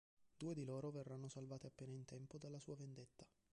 Due di loro verranno salvate appena in tempo dalla sua vendetta.